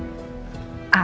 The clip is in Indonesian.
ini udah berapa